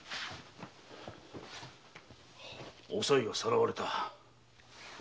おさいがさらわれた。